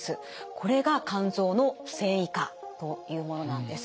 これが肝臓の線維化というものなんです。